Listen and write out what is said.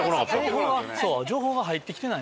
情報が情報が入ってきてない。